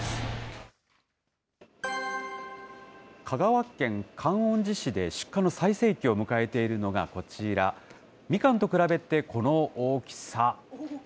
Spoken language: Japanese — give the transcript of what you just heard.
香川県観音寺市で出荷の最盛期を迎えているのがこちら、みかんと比べてこの大きさ。